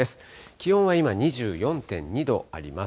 気温は今、２４．２度あります。